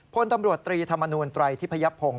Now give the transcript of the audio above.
พลตำรวจตรีธรรมนูลไตรทิพยพงศ